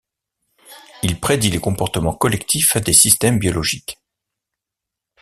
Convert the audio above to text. Il prédit les comportements collectifs des systèmes biologiques.